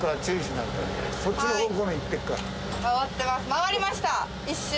回りました一周。